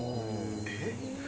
えっ？